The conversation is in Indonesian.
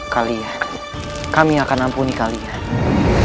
kalian kami akan ampuni kalian